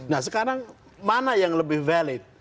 nah sekarang mana yang lebih valid